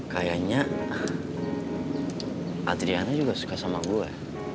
kayaknya adriana juga suka sama gue